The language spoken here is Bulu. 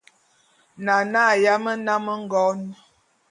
Nane a yám nnám ngon.